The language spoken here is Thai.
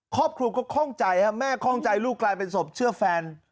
ครอบครัวก็คล่องใจครับแม่คล่องใจลูกกลายเป็นศพเชื่อแฟน